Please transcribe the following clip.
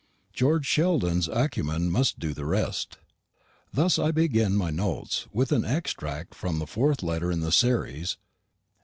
George Sheldon's acumen must do the rest. Thus I begin my notes, with an extract from the fourth letter in the series.